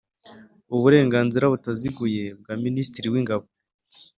uburenganzira butaziguye bwa Minisitiri w Ingabo